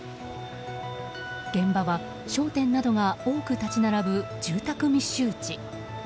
現場は、商店などが多く立ち並ぶ住宅密集地。